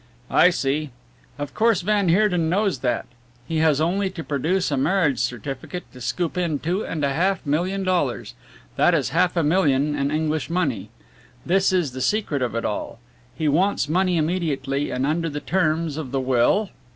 '" "I see of course, van Heerden knows that. He has only to produce a marriage certificate to scoop in two and a half million dollars that is half a million in English money. This is the secret of it all. He wants money immediately, and under the terms of the will